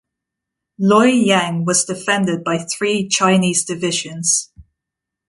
Luoyang was defended by three Chinese divisions.